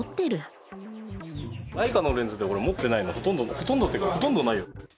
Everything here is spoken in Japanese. ライカのレンズで俺持ってないのほとんどほとんどっていうかほとんどないよ。